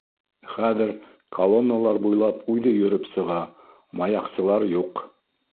Хәҙер колонналар буйлап үҙе йөрөп сыға, маяҡсылар юҡ.